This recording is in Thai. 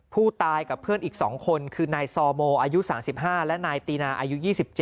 ผู้ตายกับเพื่อนอีก๒คนคือนายซอโมอายุ๓๕และนายตีนาอายุ๒๗